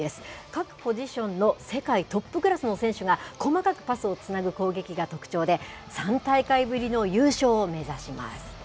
各ポジションの世界トップクラスの選手が、細かくパスをつなぐ攻撃が特徴で、３大会ぶりの優勝を目指します。